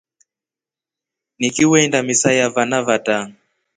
Nikiiwenda misa ya vana vata.